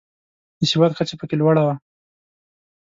د سواد کچه پکې لوړه وه.